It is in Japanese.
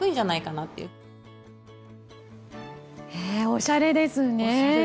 おしゃれですね。